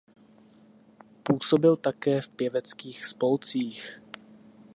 Působil také v pěveckých spolcích.